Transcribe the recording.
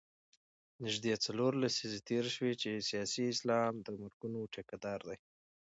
نژدې څلور لسیزې تېرې شوې چې سیاسي اسلام د مرګونو ټیکه دار دی.